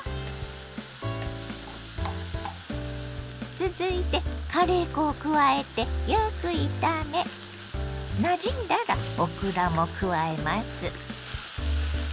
続いてカレー粉を加えてよく炒めなじんだらオクラも加えます。